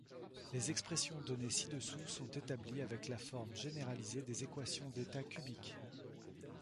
Les expressions données ci-dessous sont établies avec la forme généralisée des équations d'état cubiques.